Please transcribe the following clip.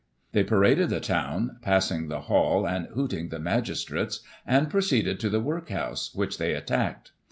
They paraded the town, passing the Hall and hooting the magistrates, and proceeded to the workhouse, which they attacked.